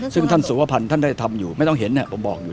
ซึ่งท่านสุวพันธ์ท่านได้ทำอยู่ไม่ต้องเห็นเนี่ยผมบอกอยู่